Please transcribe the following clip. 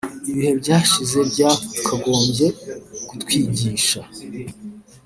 ibihe byashize byakagombye kutwigisha